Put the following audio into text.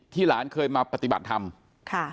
ที่หลานเคยมาปฏิบัติการทำค่ะ